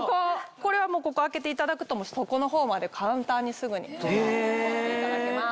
これはここ開けていただくと底のほうまで簡単にすぐに取っていただけます。